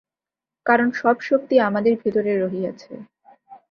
কারণ সব শক্তি আমাদের ভিতরে রহিয়াছে।